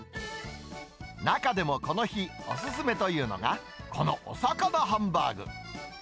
中でもこの日、お勧めというのが、このおさかなハンバーグ。